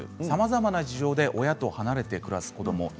さまざまな事情で親と離れて暮らす子ども